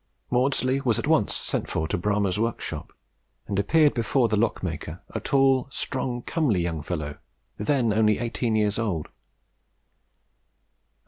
Maudslay was at once sent for to Bramah's workshop, and appeared before the lock maker, a tall, strong, comely young fellow, then only eighteen years old.